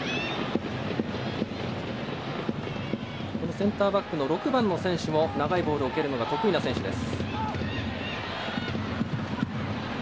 センターバックの６番の選手も長いボールを蹴るのが得意な選手です。